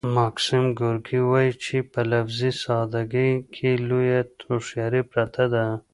ماکسیم ګورکي وايي چې په لفظي ساده ګۍ کې لویه هوښیاري پرته ده